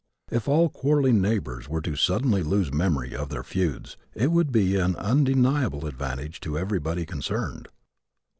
If all quarreling neighbors were to suddenly lose memory of their feuds it would be an undeniable advantage to everybody concerned.